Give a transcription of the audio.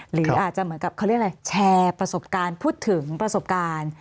หรืออาจจะแชร์ประสบการณ์พูดถึงประสบการณ์